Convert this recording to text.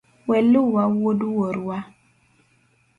Weluwa wuod wuorwa.